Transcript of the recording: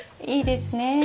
いいですね